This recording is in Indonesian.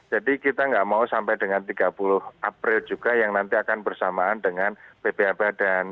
jadi kita nggak mau sampai dengan tiga puluh april juga yang nanti akan bersamaan dengan bph badan